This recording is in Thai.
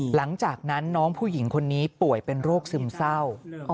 หลังจากนั้นน้องผู้หญิงคนนี้ป่วยเป็นโรคซึมเศร้า